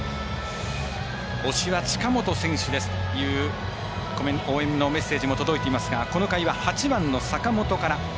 推しは近本選手ですという応援のメッセージも届いていますがこの回は８番の坂本から。